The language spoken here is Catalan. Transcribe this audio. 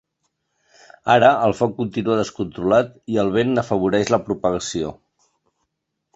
Ara el foc continua descontrolat i el vent n’afavoreix la propagació.